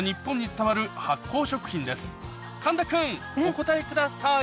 神田君お答えください